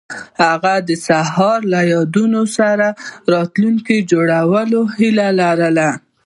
هغوی د سهار له یادونو سره راتلونکی جوړولو هیله لرله.